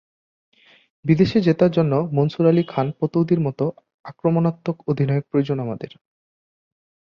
বিদেশে জেতার জন্য মনসুর আলী খান পতৌদির মতো আক্রমণাত্মক অধিনায়ক প্রয়োজন আমাদের।